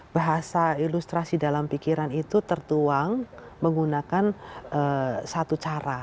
bahasa ilustrasi dalam pikiran itu tertuang menggunakan satu cara